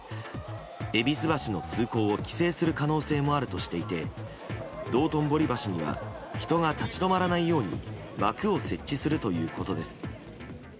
戎橋の通行を規制する可能性もあるとしていて道頓堀橋には人が立ち止まらないように枠を設置するということです。